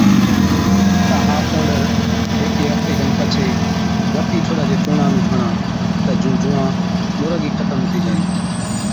تہ ها پونڊر هيڪي هفتي کن پڇي بڙتِي ٺوڏا چي چُونڻان نُون هڻا، تہ جُون جُوئان مُراگِي ختم هُتِي جائِي۔